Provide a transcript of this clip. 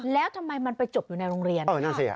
แล้วทำไมมันไปจบอยู่ในโรงเรียน